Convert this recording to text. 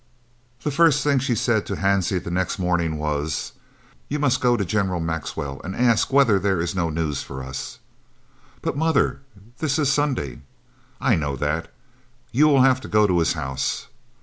The first thing she said to Hansie next morning was: "You must go to General Maxwell and ask whether there is no news for us." "But, mother, this is Sunday!" "I know that. You will have to go to his house."